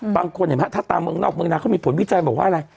เห็นไหมถ้าตามเมืองนอกเมืองนาเขามีผลวิจัยบอกว่าอะไร